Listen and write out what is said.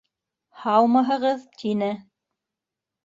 — Һаумыһығыҙ! — тине.